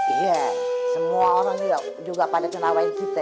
iya semua orang juga pada ngerawain kita